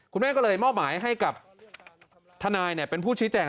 คุณแม่ก็เลยมอบหมายให้กับทนายเป็นผู้ชี้แจง